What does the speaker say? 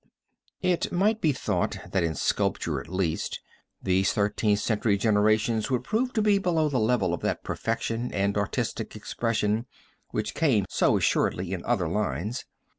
REPARATA (ANDREA PISANO, FLORENCE) It might be thought that in sculpture, at least, these Thirteenth Century generations would prove to be below the level of that perfection and artistic expression which came so assuredly in other lines.